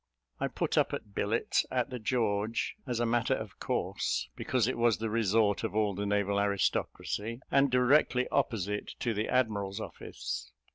I put up at Billett's, at the George, as a matter of course, because it was the resort of all the naval aristocracy, and directly opposite to the admiral's office.